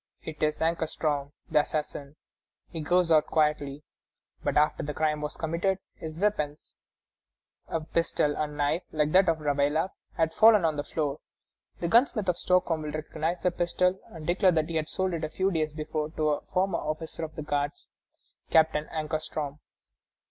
It is Ankarstroem, the assassin. He goes out quietly. But, after the crime was committed, his weapons, a pistol and a knife like that of Ravaillac, had fallen on the floor. A gunsmith of Stockholm will recognize the pistol and declare that he had sold it a few days before to a former officer of the guards, Captain Ankarstroem.